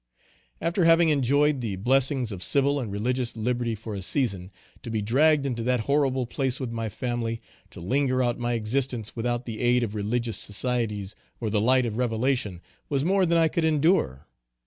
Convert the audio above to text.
After having enjoyed the blessings of civil and religious liberty for a season, to be dragged into that horrible place with my family, to linger out my existence without the aid of religious societies, or the light of revelation, was more than I could endure.